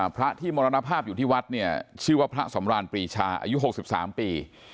พระที่มรณภาพอยู่ที่วัดเนี่ยชื่อว่าพระสำรานปรีชาอายุ๖๓ปี